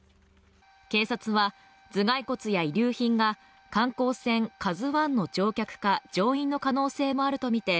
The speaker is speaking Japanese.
警察は頭蓋骨や遺留品が観光船「ＫＡＺＵ１」の乗客か乗員の可能性もあるとみて